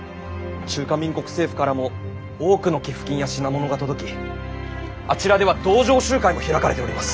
中華民国政府からも多くの寄付金や品物が届きあちらでは同情集会も開かれております。